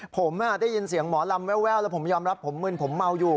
ผมได้ยินเสียงหมอลำแววแล้วผมยอมรับผมมึนผมเมาอยู่